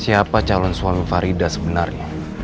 siapa calon suami farida sebenarnya